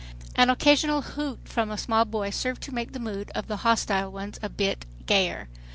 An occasional hoot from a small boy served to make the mood of the hostile ones a bit gayer.